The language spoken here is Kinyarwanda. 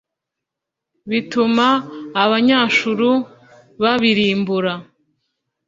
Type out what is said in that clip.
bituma Abanyashuru babirimbura.